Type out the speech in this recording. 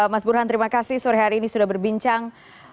mas burhan terima kasih sore hari ini sudah berbincang